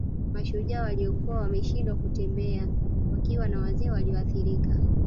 Mashujaa waliokuwa wameshindwa kutembea wakiwa na wazee walioathirika